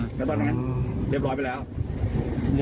อันนั้นเรียบร้อยไปแล้ว